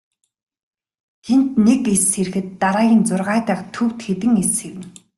Тэнд нэг эс сэрэхэд дараагийн зургаа дахь төвд хэдэн эс сэрнэ.